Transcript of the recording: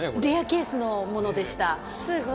レアケースのものでした。